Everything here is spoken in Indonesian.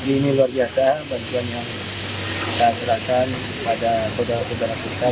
ini luar biasa bantuan yang kita serahkan pada saudara saudara kita